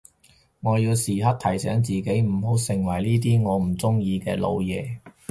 我要時刻提醒自己唔好成為呢啲我唔中意嘅老嘢